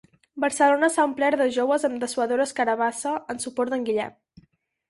Barcelona s'ha omplert de joves amb dessuadores carabassa en suport d'en Guillem